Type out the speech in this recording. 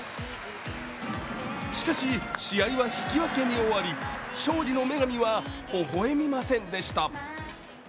しかし、試合は引き分けに終わり、勝利の女神は微笑みませんでした。